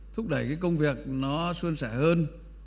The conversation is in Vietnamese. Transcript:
thúc đẩy cái công việc nó xuân sẻ hơn